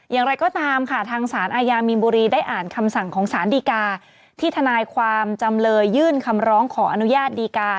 อย่างไรก็ตามค่ะทางสารอาญามีนบุรีได้อ่านคำสั่งของสารดีกาที่ทนายความจำเลยยื่นคำร้องขออนุญาตดีกา